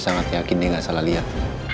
sangat yakin dia tidak salah lihat